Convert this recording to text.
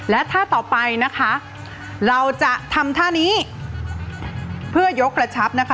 และท่าต่อไปนะคะเราจะทำท่านี้เพื่อยกระชับนะคะ